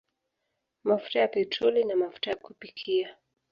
Mafuta ya petroli na mafuta ya kupikia